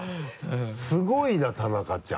すごいな田中ちゃん。